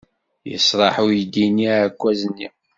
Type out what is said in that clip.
Yesraḥ uydi-nni aɛekkaz-nni.